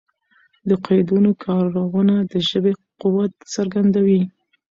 د قیدونو کارونه د ژبي قوت څرګندوي.